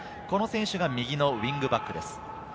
この選手が右のウイングバックです。